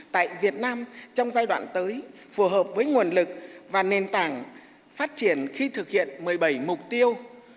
tại việt nam trong giai đoạn tới phù hợp với nguồn lực và nền tảng phát triển khi thực hiện một mươi bảy mục tiêu